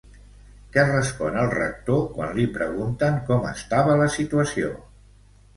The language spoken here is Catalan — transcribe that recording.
Què respon el Rector quan li pregunten com estava la situació?